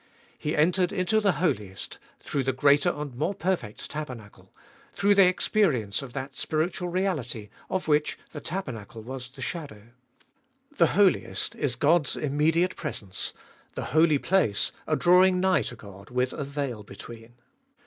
He entered into the Holiest through the greater and more perfect tabernacle, through the experience of that spiritual reality of which the tabernacle was the shadow. The Holiest is God's immediate presence, the Holy Place a drawing nigh to God with a veil between.